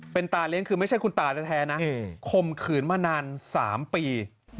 เป็นตาเลี้ยงคือไม่ใช่คุณตาแท้นะข่มขืนมานาน๓ปี